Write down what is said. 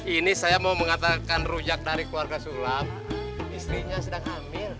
ini saya mau mengatakan rujak dari keluarga sulam istrinya sedang hamil